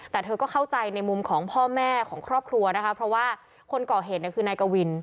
แต่เธอก็เข้าใจในมุมของพ่อแม่ของครอบครัวนะคะเพราะว่าคนก่อเหตุเนี่ยคือนายกวิน